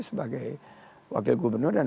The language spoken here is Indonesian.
sebagai wakil gubernur dan